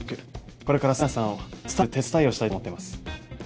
これから瀬那さんをスターにする手伝いをしたいと思っています。